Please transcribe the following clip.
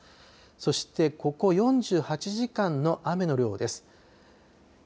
そして、ここ４８時間の雨の量です。